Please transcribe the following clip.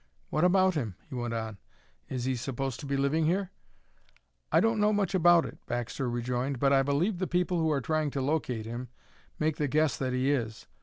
"What about him?" he went on. "Is he supposed to be living here?" "I don't know much about it," Baxter rejoined, "but I believe the people who are trying to locate him make the guess that he is.